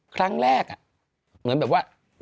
ครั้งแรกเหมือนแบบว่า